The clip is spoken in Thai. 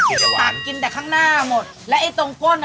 ที่พักกินแต่ข้างหน้าหมดและตรงก้น